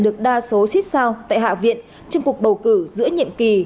được đa số xích sao tại hạ viện trong cuộc bầu cử giữa nhiệm kỳ